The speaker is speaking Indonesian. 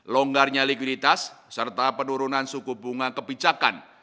longgarnya likuiditas serta penurunan suku bunga kebijakan